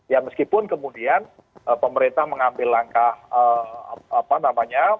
ya meskipun kemudian pemerintah mengambil langkah apa namanya